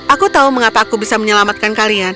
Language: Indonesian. aku tahu mengapa aku bisa menyelamatkan kalian